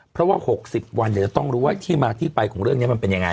เพราะว่า๖๐วันจะต้องรู้ว่าที่มาที่ไปของเรื่องนี้มันเป็นยังไง